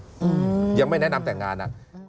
อืมยังไม่แนะนำแต่งงานอ่ะ